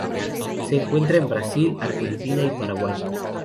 Se encuentra en Brasil Argentina y Paraguay.